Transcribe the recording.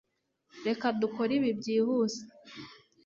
Reka dukore ibi byihuse